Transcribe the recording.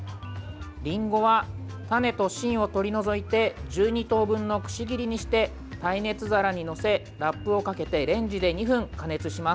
りんごは種と芯を取り除いて１２等分のくし切りにして耐熱皿に載せ、ラップをかけてレンジで２分加熱します。